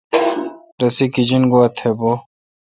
رسی گیجنگوا تھ بھو۔